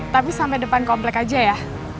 tapi sampai depan komplek aja ya